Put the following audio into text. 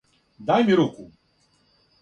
Дај ми руку!